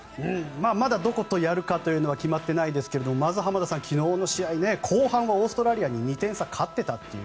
まだどことやるかというのは決まってないですが浜田さん、昨日の試合後半はオーストラリアに２点差で勝っていたっていう。